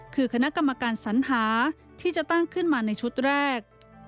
คือคณะกรรมการสัญหาที่จะตั้งขึ้นมาในชุดแรก